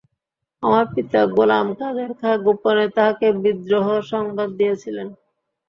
আমার পিতা গোলামকাদের খাঁ গোপনে তাঁহাকে বিদ্রোহসংবাদ দিয়াছিলেন।